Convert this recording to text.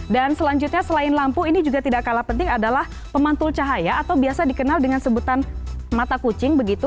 dan selanjutnya selain lampu ini juga tidak kalah penting adalah pemantul cahaya atau biasa dikenal dengan sebutan mata kucing begitu